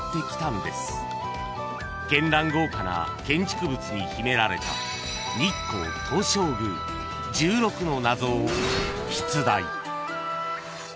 ［絢爛豪華な建築物に秘められた日光東照宮１６の謎を出題］